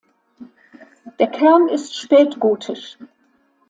Der Kern ist spätgotisch.